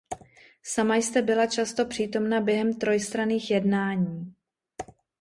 Sama jste byla často přítomna během trojstranných jednání.